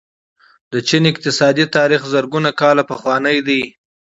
د چین اقتصادي تاریخ زرګونه کاله پخوانی دی.